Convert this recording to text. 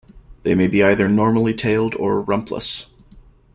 They may be either normally tailed or rumpless.